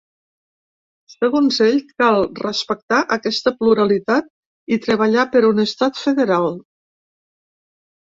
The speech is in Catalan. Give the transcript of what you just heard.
Segons ell, cal respectar aquesta pluralitat i treballar per un estat federal.